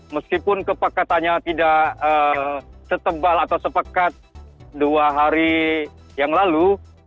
meskipun kepakatannya tidak setebal atau sepekat dua hari yang lalu